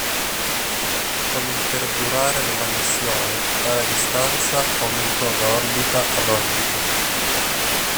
Con il perdurare della missione tale distanza aumentò da orbita ad orbita.